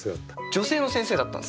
女性の先生だったんですよ。